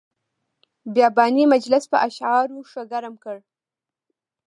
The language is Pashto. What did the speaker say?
بیاباني مجلس په اشعارو ښه ګرم کړ.